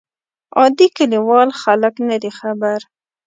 عادي کلیوال خلک نه دي خبر.